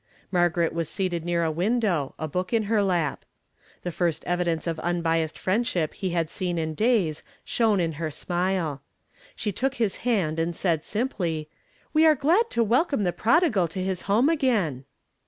Margaret was seated near a window, a book in her lap. The first evidence of unbiased friendship he had seen in days shone in her smile. She took his hand and said simply, "We are glad to welcome the prodigal to his home again."